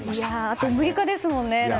あと６日ですもんね。